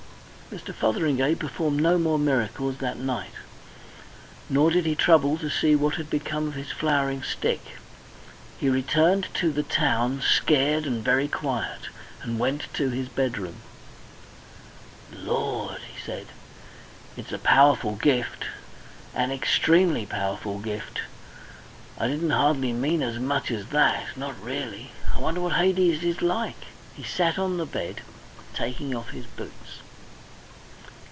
Mr. Fotheringay performed no more miracles that night, nor did he trouble to see what had become of his flowering stick. He returned to the town, scared and very quiet, and went to his bedroom. "Lord!" he said, "it's a powerful gift an extremely powerful gift. I didn't hardly mean as much as that. Not really... I wonder what Hades is like!" He sat on the bed taking off his boots.